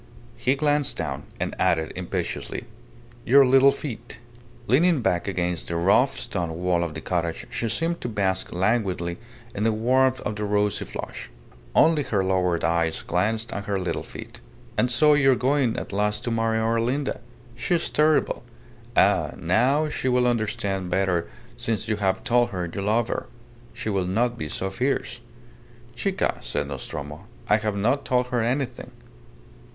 He glanced down, and added, impetuously "Your little feet!" Leaning back against the rough stone wall of the cottage, she seemed to bask languidly in the warmth of the rosy flush. Only her lowered eyes glanced at her little feet. "And so you are going at last to marry our Linda. She is terrible. Ah! now she will understand better since you have told her you love her. She will not be so fierce." "Chica!" said Nostromo, "I have not told her anything."